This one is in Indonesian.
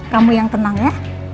kamu yang tenang ya